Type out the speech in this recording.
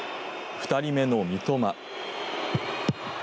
２人目の三笘。